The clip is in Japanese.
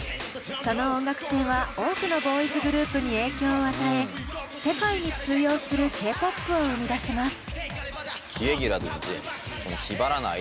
その音楽性は多くのボーイズグループに影響を与え世界に通用するＫーＰＯＰを生み出します。